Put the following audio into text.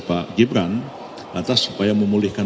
pak gibran atas supaya memulihkan